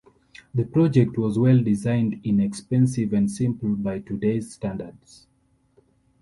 The project was well designed, inexpensive, and simple by today's standards.